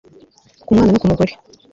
ku mwana no ku mugore